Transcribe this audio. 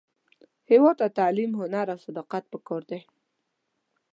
هیواد ته تعلیم، هنر، او صداقت پکار دی